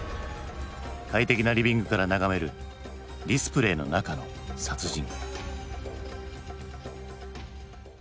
快適なリビングから眺めるディスプレーの中の殺人。